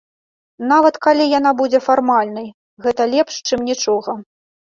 Нават калі яна будзе фармальнай, гэта лепш, чым нічога.